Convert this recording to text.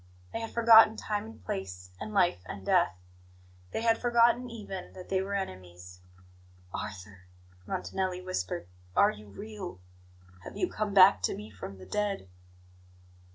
They had forgotten time and place, and life and death; they had forgotten, even, that they were enemies. "Arthur," Montanelli whispered, "are you real? Have you come back to me from the dead?"